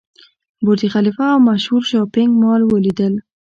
برج خلیفه او مشهور شاپینګ مال ولیدل.